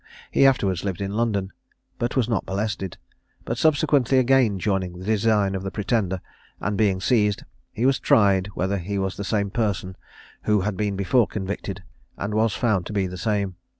He afterwards lived in London, but was not molested; but subsequently again joining the design of the Pretender, and being seized, he was tried whether he was the same person who had been before convicted, and was found to be the same.